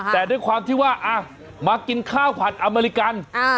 แต่ด้วยความที่ว่ามากินข้าวผัดอเมริกัน